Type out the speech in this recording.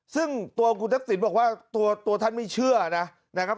ซึ่งตัวคุณทักษิณบอกว่าตัวท่านไม่เชื่อนะครับ